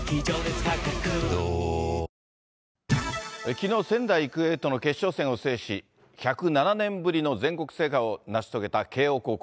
きのう、仙台育英との決勝戦を制し、１０７年ぶりの全国制覇を成し遂げた慶応高校。